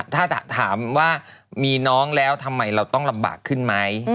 ถ้าถามว่ามีน้องแล้วทำไมเราต้องลำบากขึ้นไหม